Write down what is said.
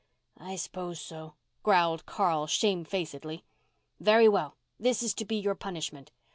"I s'pose so," growled Carl shamefacedly. "Very well. This is to be your punishment.